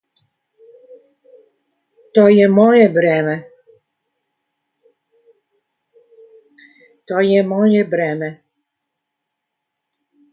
То је моје бреме.